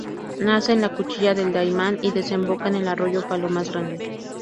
Nace en la Cuchilla del Daymán y desemboca en el arroyo Palomas Grande.